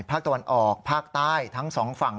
ภาคตะวันออกภาคใต้ทั้งสองฝั่ง